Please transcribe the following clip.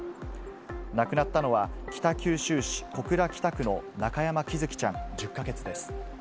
亡くなったのは、北九州市小倉北区の中山きずきちゃん１０か月です。